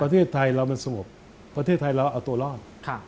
ประเทศไทยเรามันสงบประเทศไทยเราเอาตัวรอด